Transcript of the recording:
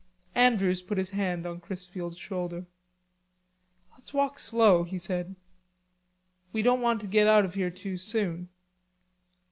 Andrews put his hand on Chrisfield's shoulder. "Let's walk slow," he said, "we don't want to get out of here too soon."